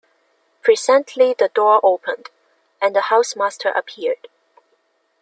Presently the door opened, and the housemaster appeared.